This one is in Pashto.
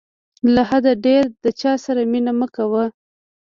له حده ډېر د چاسره مینه مه کوه.